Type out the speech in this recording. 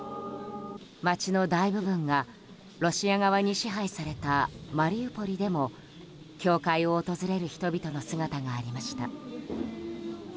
街の大部分がロシア側に支配されたマリウポリでも教会を訪れる人々の姿がありました。